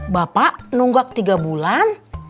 bapak nunggak tiga bulan